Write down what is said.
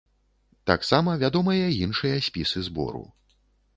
Таксама вядомыя іншыя спісы збору.